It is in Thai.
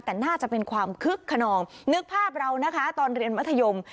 แต่น่าจะเป็นความคึกขนองนึกภาพเรานะคะตอนเรียนมัธยม